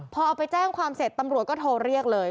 พอเอาไปแจ้งความเสร็จตำรวจก็โทรเรียกเลย